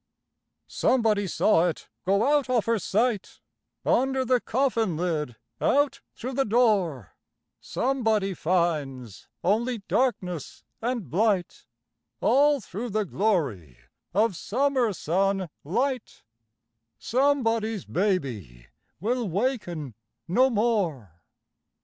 Somebody saw it go out of her sight, Under the coffin lid—out through the door; Somebody finds only darkness and blight All through the glory of summer sun light; Somebody's baby will waken no more.